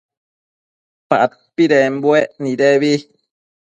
Padpidembuec nideque